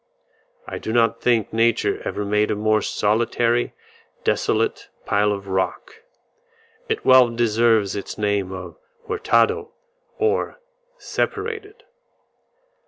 I do not think Nature ever made a more solitary, desolate pile of rock; it well deserves its name of Hurtado, or separated.